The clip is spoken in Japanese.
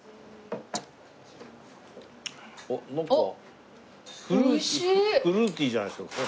あっなんかフルーティーじゃないですか。